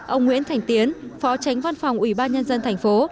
ông nguyễn thành tiến phó tránh văn phòng ủy ban nhân dân thành phố